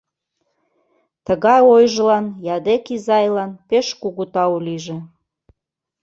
Тыгай ойжылан Ядек изайлан пеш кугу тау лийже.